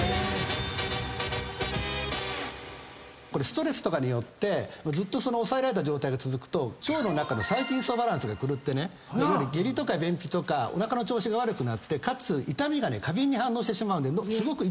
ストレスとかによってずっと抑えられた状態が続くと腸の中の細菌バランスが狂って下痢とか便秘とかおなかの調子が悪くなってかつ痛みに過敏に反応してしまうんですごく痛い痛いって感じがする。